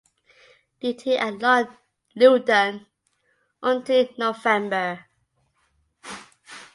Duty at Loudon until November.